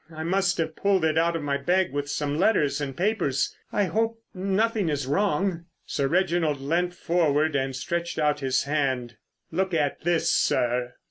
I must have pulled it out of my bag with some letters and papers. I hope—nothing is wrong?" Sir Reginald leant forward and stretched out his hand. "Look at this, sir."